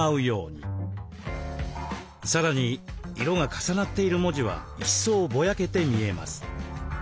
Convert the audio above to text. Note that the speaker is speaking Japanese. さらに色が重なっている文字は一層ぼやけて見えます。